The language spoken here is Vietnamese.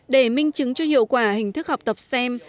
để minh chứng cho hiệu quả hình thức học tập stem